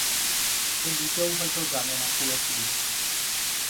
সে নিজেও হয়তো জানে না পুরোপুরি।